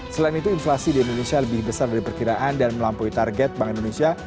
selain itu inflasi di indonesia lebih besar dari perkiraan dan melampaui target bank indonesia